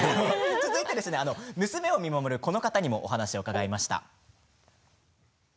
続いて娘を見守るこの方にもお話を伺いました。